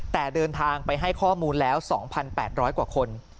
แต่เดินทางไปให้ข้อมูลแล้ว๒๘๐๐กว่าคน